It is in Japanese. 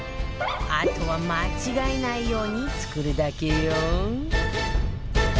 あとは間違えないように作るだけよ